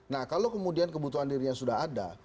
nah kalau kemudian kebutuhan dirinya sudah ada